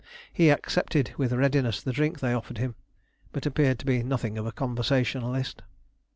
He accepted with readiness the drink they offered to him, but appeared to be nothing of a conversationalist.